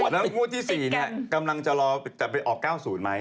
แล้วงวดที่๔กำลังจะรอจะไปออก๙๐ไหม